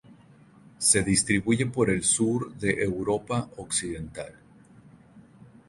Se distribuye por el sur de Europa occidental.